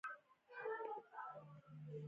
هغه شربت وڅښل او د خپلې کتابچې پوښتنه یې وکړه